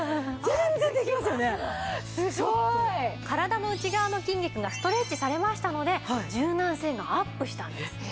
体の内側の筋肉がストレッチされましたので柔軟性がアップしたんです。